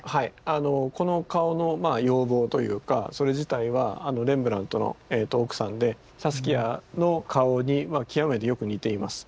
あのこの顔の容貌というかそれ自体はレンブラントの奥さんでサスキアの顔に極めてよく似ています。